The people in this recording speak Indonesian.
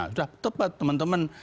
sudah tepat teman teman